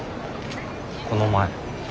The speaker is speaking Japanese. この前。